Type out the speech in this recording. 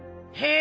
え！